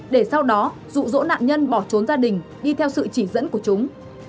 để sau đó dụ dỗ nạn nhân bỏ trốn gia đình đi theo sự chỉ dẫn của chúng